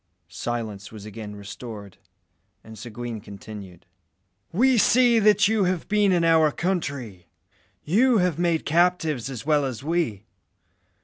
Silence was again restored, and Seguin continued "We see that you have been in our country. You have made captives as well as we.